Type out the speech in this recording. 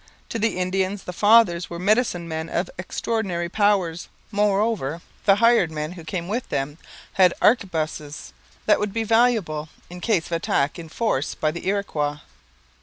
To the Indians the fathers were medicine men of extraordinary powers; moreover, the hired men who came with them had arquebuses that would be valuable in case of attack in force by the Iroquois.